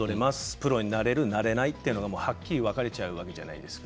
プロになれます、なれませんがはっきり分かれちゃうわけじゃないですか。